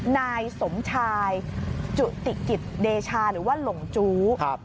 นายสมชายจุติกิจเดชาหรือว่าหลงจู้